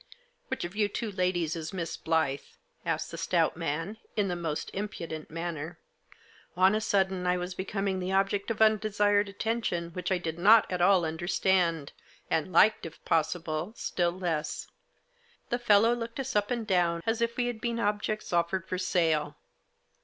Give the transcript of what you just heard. " Which of you two ladies is Miss Blyth ?" asked the stout man, in the most impudent manner. On a sudden I was becoming the object of undesired attention which I did not at all understand, and liked, if possible, still less. The fellow looked us up and down, as if we had been objects offered for sale.